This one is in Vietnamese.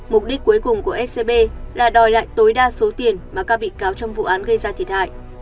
mục đích cuối cùng của scb là đòi lại tối đa số tiền mà các bị cáo trong vụ án gây ra thiệt hại